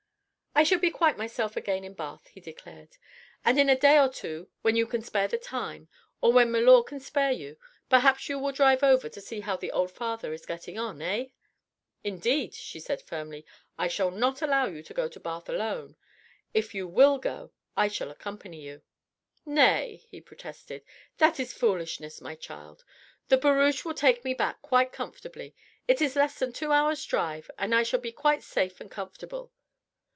"I shall be quite myself again in Bath," he declared, "and in a day or two when you can spare the time or when milor can spare you perhaps you will drive over to see how the old father is getting on, eh?" "Indeed," she said firmly, "I shall not allow you to go to Bath alone. If you will go, I shall accompany you." "Nay!" he protested, "that is foolishness, my child. The barouche will take me back quite comfortably. It is less than two hours' drive and I shall be quite safe and comfortable."